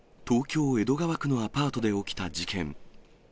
東京・江戸川区のアパートで起きた事件。